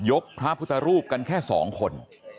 พระพุทธรูปกันแค่๒คน